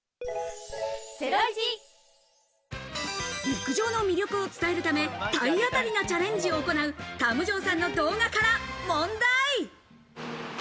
陸上の魅力を伝えるため体当たりなチャレンジを行う、たむじょーさんの動画から問題。